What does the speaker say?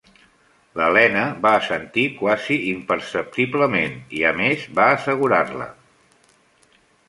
L'Helena va assentir quasi imperceptiblement, i a més, va assegurar-la.